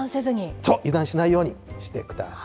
そう、油断しないようにしてください。